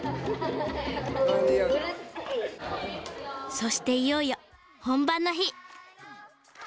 そしていよいよ本番の日！